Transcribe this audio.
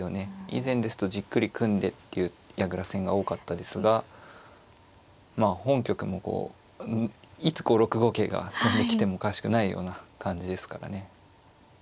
以前ですとじっくり組んでっていう矢倉戦が多かったですがまあ本局もこういつ６五桂が跳んできてもおかしくないような感じですからね。